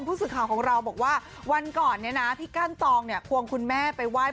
ผู้สื่อข่าวของเราบอกว่าวันก่อนเนี่ยนะพี่กั้นตองเนี่ยควงคุณแม่ไปไหว้